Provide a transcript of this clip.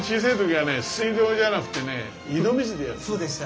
そうでした。